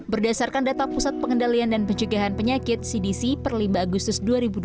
berdasarkan data pusat pengendalian dan penjagaan penyakit perlima agustus dua ribu dua puluh satu